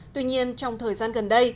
tuy nhiên trong thời gian gần đây